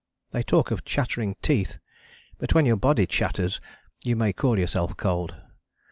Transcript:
They talk of chattering teeth: but when your body chatters you may call yourself cold.